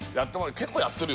結構やってるよ